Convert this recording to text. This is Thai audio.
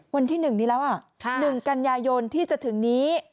วันที่๑นี้แล้ว๑กันยายนที่จะถึงนี้